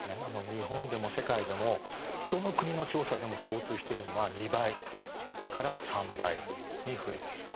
日本でも世界でもどの国の調査でも共通しているのは２倍から３倍に増えている。